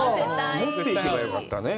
もっていけばよかったね。